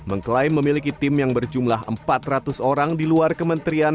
mengklaim memiliki tim yang berjumlah empat ratus orang di luar kementerian